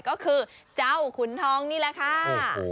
ก็คือเจ้าขุนทองนี่แหละค่ะ